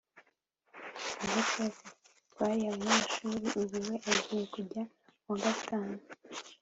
Ubwo twese twari abanyeshuri ubu we agiye kujya muwagatanu